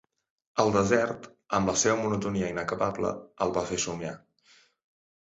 El desert, amb la seva monotonia inacabable, el va fer somiar.